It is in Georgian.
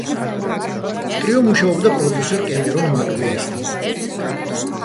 ტრიო მუშაობდა პროდიუსერ კემერონ მაკ ვეისთან.